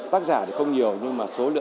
tác giả thì không nhiều